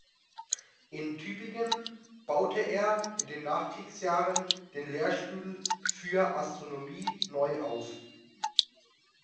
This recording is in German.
In Tübingen baute er in den Nachkriegsjahren den Lehrstuhl für Astronomie neu auf.